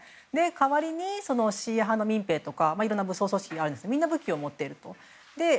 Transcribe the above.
代わりに、シーア派の民兵とかいろんな武装組織がありますがみんな武器を持っていると。